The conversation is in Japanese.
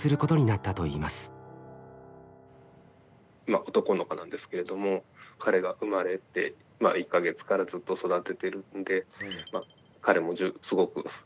まあ男の子なんですけれども彼が生まれて１か月からずっと育ててるんで彼もすごく懐いてくれてますし。